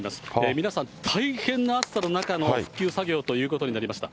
皆さん、大変な暑さの中の復旧作業ということになりました。